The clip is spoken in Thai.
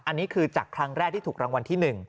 อันนี้คือจากครั้งแรกที่ถูกรางวัลที่๑